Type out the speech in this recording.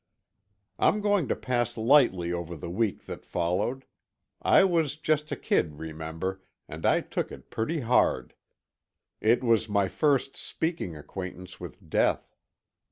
I'm going to pass lightly over the week that followed. I was just a kid, remember, and I took it pretty hard. It was my first speaking acquaintance with death.